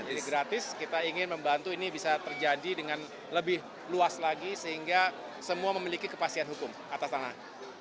gratis kita ingin membantu ini bisa terjadi dengan lebih luas lagi sehingga semua memiliki kepastian hukum atas tanah